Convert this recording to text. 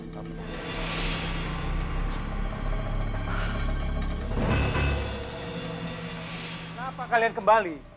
kenapa kalian kembali